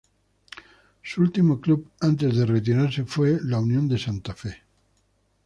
Su último club antes de retirarse fue Unión de Santa Fe.